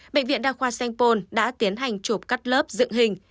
bệnh viện đa khoa sengpon đã tiến hành chụp cắt lớp dựng hình